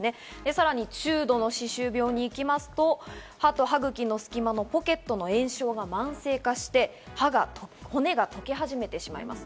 さらに中度の歯周病にいきますと、歯と歯茎の隙間のポケットの炎症が慢性化して骨が溶け始めます。